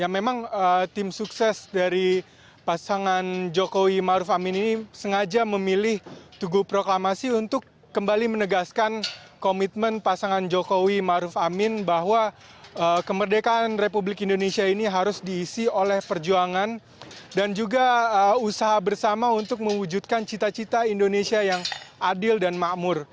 memang tim sukses dari pasangan jokowi ma'ruf amin ini sengaja memilih tugu proklamasi untuk kembali menegaskan komitmen pasangan jokowi ma'ruf amin bahwa kemerdekaan republik indonesia ini harus diisi oleh perjuangan dan juga usaha bersama untuk mewujudkan cita cita indonesia yang adil dan makmur